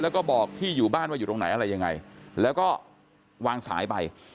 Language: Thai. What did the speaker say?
แล้วก็บอกที่อยู่บ้านว่าอยู่ตรงไหนอะไรยังไงแล้วก็วางสายไป